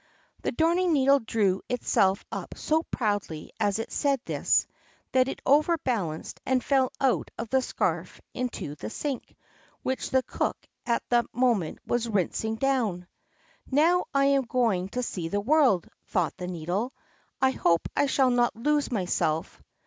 The Darning needle drew itself up so proudly as it said this, that it overbalanced and fell out of the scarf into the sink, which the cook at that moment was rinsing down. "Now I am going to see the world," thought the Needle. "I hope I shall not lose myself."